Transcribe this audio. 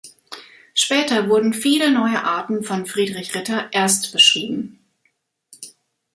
Später wurden viele neue Arten von Friedrich Ritter erstbeschrieben.